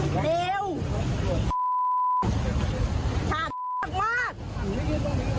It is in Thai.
คุณผู้ชมคุณผู้ชมคุณผู้ชม